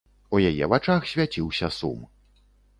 У яе вачах свяціўся сум.